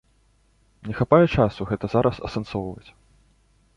Не хапае часу гэта зараз асэнсоўваць.